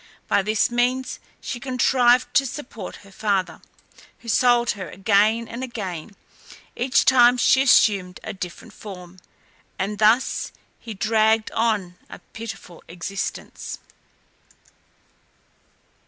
By this means she contrived to support her father, who sold her again and again each time she assumed a different form, and thus he dragged on a pitiful existence.